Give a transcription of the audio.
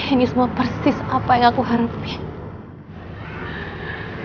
ini semua persis apa yang aku harapkan